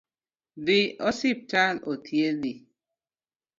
Dhi osiptal othiedhi.